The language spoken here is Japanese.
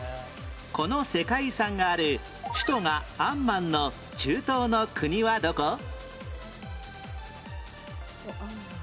この世界遺産がある首都がアンマンの中東の国はどこ？